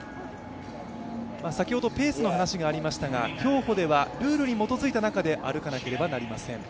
先ほど、ペースの話がありましたが競歩ではルールに基づいた中で歩かなければ鳴りません。